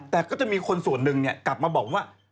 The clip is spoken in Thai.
แต่ก็จะมีคนส่วนหนึ่งกลับมาบอกว่า